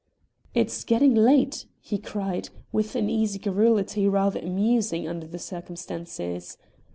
"It's getting late!" he cried, with an easy garrulity rather amusing, under the circumstances.